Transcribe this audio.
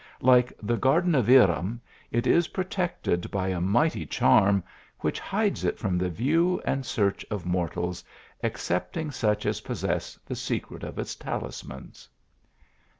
Like the garden oi Irem, it is protected by a mighty charm, which hides it from the view and search of mortals, excepting such as possess the secret of its talismans."